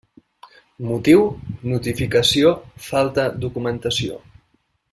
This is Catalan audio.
Motiu: notificació falta documentació.